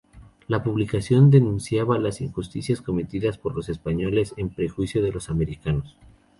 La publicación denunciaba las injusticias cometidas por los españoles en perjuicio de los americanos.